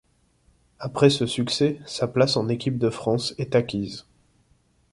Après ce succès, sa place en équipe de France est acquise.